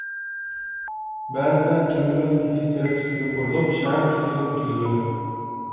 بەزىدە تۆمۈريول ئېگىز تىرەك ئۈستىگە قۇرۇلۇپ، شەھەر ئۈستىدىن ئۆتكۈزۈلىدۇ.